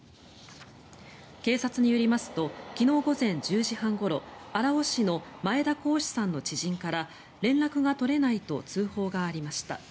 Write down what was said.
警察によりますと昨日午前１０時半ごろ荒尾市の前田好志さんの知人から連絡が取れないと通報がありました。